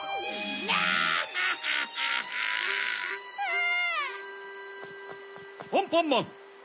アンパンマン！